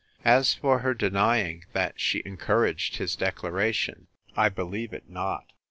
'As for her denying that she encouraged his declaration, I believe it not.